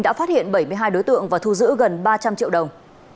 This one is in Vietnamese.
đã phát hiện bảy mươi hai đối tượng và thu giữ gần ba trăm linh triệu đồng